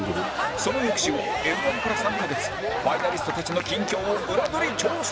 その翌週は Ｍ−１ から３カ月ファイナリストたちの近況を裏取り調査